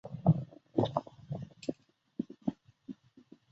西汉惠帝三年地区。